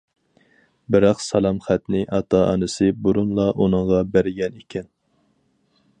بىراق سالام خەتنى ئاتا- ئانىسى بۇرۇنلا ئۇنىڭغا بەرگەن ئىكەن.